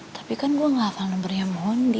tapi kan gue gak hafal nomernya mondi